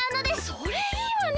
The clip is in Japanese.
それいいわね！